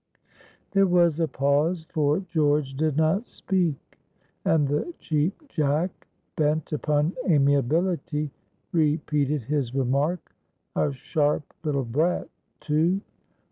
There was a pause, for George did not speak; and the Cheap Jack, bent upon amiability, repeated his remark,—"A sharp little brat, too!"